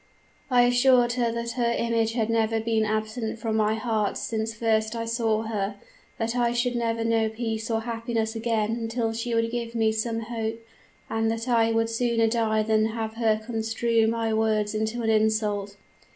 "I assured her that her image had never been absent from my heart since first I saw her, that I should never know peace or happiness again until she would give me some hope, and that I would sooner die than have her construe my words into an insult.